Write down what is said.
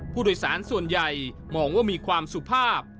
ผู้โดยสารส่วนใหญ่มองว่ามีความสุภาพ